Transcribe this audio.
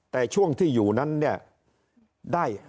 แต่ช่วงที่อยู่นั้นเนี่ยได้